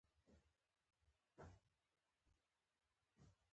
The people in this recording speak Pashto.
پر سترګو يې تياره راغله.